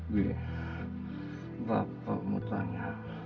bi bapak mau tanya